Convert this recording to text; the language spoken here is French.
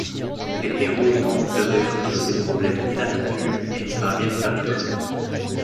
Les héros tentent de résoudre des problèmes inattendus et n'y parviennent pas toujours.